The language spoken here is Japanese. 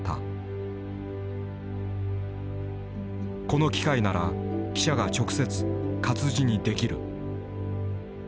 「この機械なら記者が直接活字にできる」。